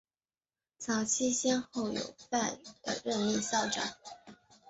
早期先后有范源濂被任命校长。